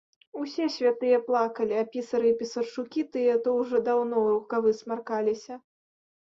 Усе святыя плакалі, а пісары і пісарчукі тыя то ўжо даўно ў рукавы смаркаліся.